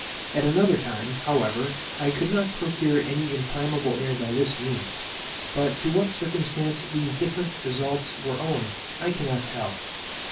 At another time, however, I could not procure any inflammable air by this means, but to what circumstance these different results were owing I cannot tell.